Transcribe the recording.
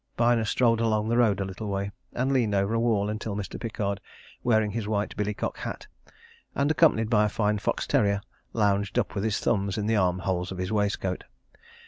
Byner strolled along the road a little way, and leaned over a wall until Mr. Pickard, wearing his white billycock hat and accompanied by a fine fox terrier, lounged up with his thumbs in the armholes of his waistcoat.